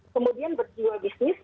kemudian berjiwa bisnis